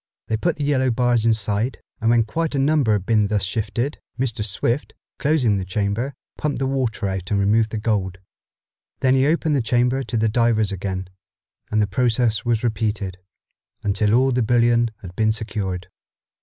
They put the yellow bars inside, and when quite a number had been thus shifted, Mr. Swift, closing the chamber, pumped the water out and removed the gold. Then he opened the chamber to the divers again, and the process was repeated, until all the bullion had been secured.